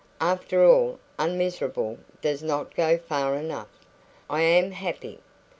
"After all, 'unmiserable' does not go far enough. I AM happy.